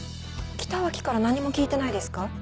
北脇から何も聞いてないですか？